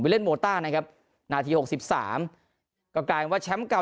เล่นโมต้านะครับนาทีหกสิบสามก็กลายเป็นว่าแชมป์เก่า